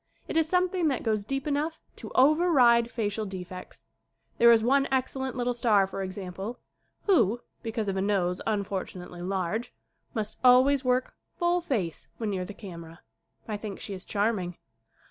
It is something that goes deep enough to over ride facial defects. There is one excel lent little star, for example, who, because of a nose unfortunately large, must always work full face when near the camera. I think she is charming.